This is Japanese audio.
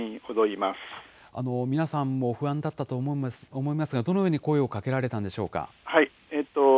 皆さんも不安だったと思いますが、どのように声をかけられたんでしょうか。